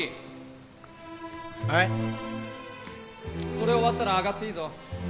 それ終わったらあがっていいぞ。